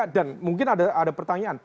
dan mungkin ada pertanyaan